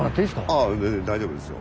ああ全然大丈夫ですよ。